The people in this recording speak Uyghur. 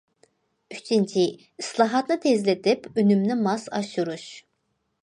ئۈچىنچى، ئىسلاھاتنى تېزلىتىپ، ئۈنۈمنى ماس ئاشۇرۇش.